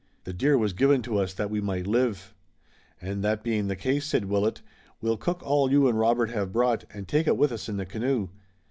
"The deer was given to us that we might live." "And that being the case," said Willet, "we'll cook all you and Robert have brought and take it with us in the canoe.